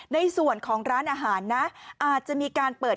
ในส่วนของร้านอาหารนะอาจจะมีการเปิด